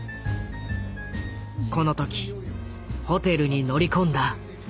この時ホテルに乗り込んだ新間。